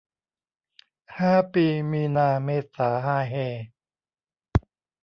ห้าปีมีนาเมษาฮาเฮ